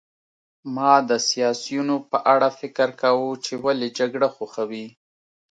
ما د سیاسیونو په اړه فکر کاوه چې ولې جګړه خوښوي